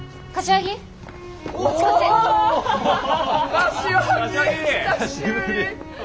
久しぶり！